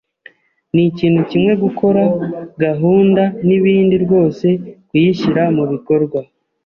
Ni ikintu kimwe gukora gahunda nibindi rwose kuyishyira mubikorwa.